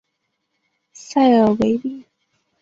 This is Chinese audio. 塞尔维利。